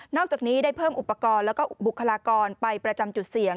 อกจากนี้ได้เพิ่มอุปกรณ์แล้วก็บุคลากรไปประจำจุดเสี่ยง